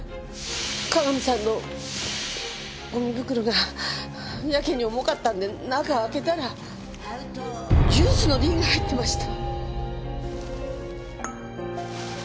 各務さんのゴミ袋がやけに重かったんで中を開けたらジュースの瓶が入ってました。